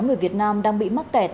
người việt nam đang bị mắc kẹt